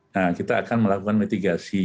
nah kita akan melakukan mitigasi